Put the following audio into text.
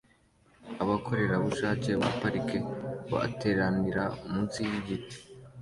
"Abakorerabushake ba Parike" bateranira munsi yi giti